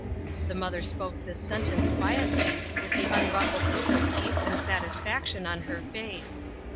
The mother spoke this sentence quietly, with the unruffled look of peace and satis faction on her face.